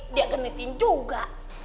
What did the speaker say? dia genitin juga